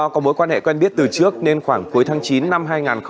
do có mối quan hệ quen biết từ trước nên khoảng cuối tháng chín năm hai nghìn hai mươi ba